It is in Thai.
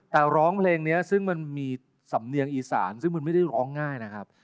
แต่ร้องเพลงนี้ซึ่งมันมีสำเนียงอีสานซึ่งมันไม่ได้ร้องง่ายนะครับ